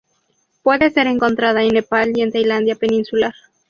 Puede ser encontrada en Nepal y en la Tailandia peninsular.